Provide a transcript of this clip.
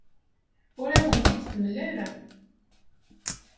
Ur awen-t-id-temla ara.